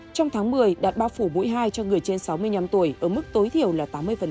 trong tháng một mươi đạt bao phủ mũi hai cho người trên sáu mươi năm tuổi ở mức tối thiểu là tám mươi